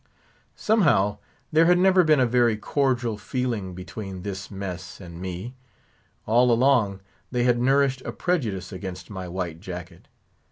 Somehow, there had never been a very cordial feeling between this mess and me; all along they had nourished a prejudice against my white jacket.